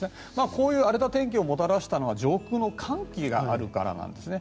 この荒れた天気をもたらしたのは上空の寒気があるからなんですね。